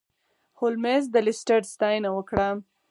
هولمز د لیسټرډ ستاینه وکړه.